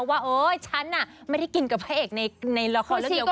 ว่าฉันน่ะไม่ได้กินกับพระเอกในละครเรื่องเดียวกัน